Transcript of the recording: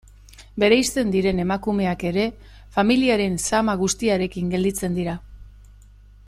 Bereizten diren emakumeak ere, familiaren zama guztiarekin gelditzen dira.